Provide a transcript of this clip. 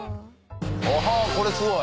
おっこれすごい。